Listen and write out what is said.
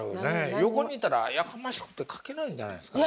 横にいたらやかましくて描けないんじゃないですかね。